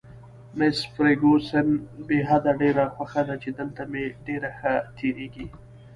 مس فرګوسن: بې حده، ډېره خوښه ده چې دلته مې ډېر ښه تېرېږي.